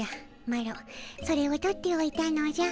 マロそれを取っておいたのじゃ。